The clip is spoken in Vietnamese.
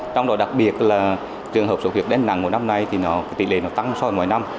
trong đó đặc biệt là trường hợp sốt xuất huyết đáng nặng mỗi năm nay thì tỷ lệ tăng so với ngoài năm